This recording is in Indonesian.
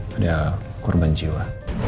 pada kurban jiwa